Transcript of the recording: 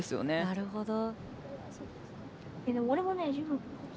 なるほど。